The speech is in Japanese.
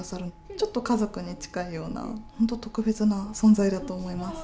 ちょっと家族に近いような本当特別な存在だと思います。